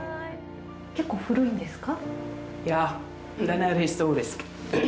結構古いんですか？